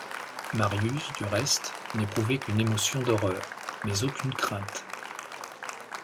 Marius du reste n’éprouvait qu’une émotion d’horreur, mais aucune crainte.